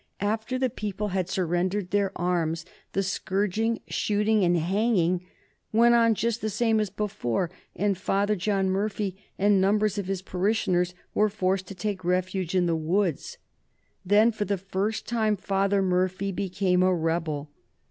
After the people had surrendered their arms the scourging, shooting, and hanging went on just the same as before, and Father John Murphy and numbers of his parishioners were forced to take refuge in the woods. Then for the first time Father Murphy became a rebel.